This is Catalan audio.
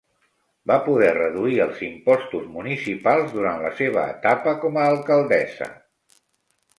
Va poder reduir els impostos municipals durant la seva etapa com a alcaldessa.